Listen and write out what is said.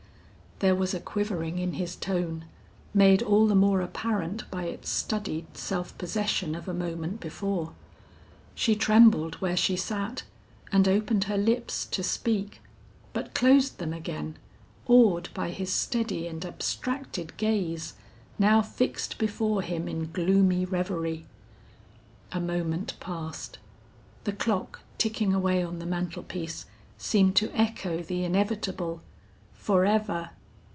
There was a quivering in his tone, made all the more apparent by its studied self possession of a moment before. She trembled where she sat, and opened her lips to speak, but closed them again, awed by his steady and abstracted gaze, now fixed before him in gloomy reverie. A moment passed. The clock ticking away on the mantel piece seemed to echo the inevitable "Forever!